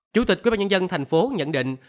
chủ tịch quyên bà nhân dân thành phố nhận định